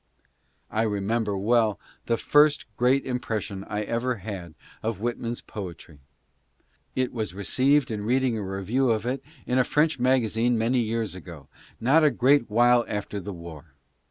I remember well the first great impression I ever had of W lkman's poetry. It was received in reading a review of it in a French magazine many years ago, not a great while after the war.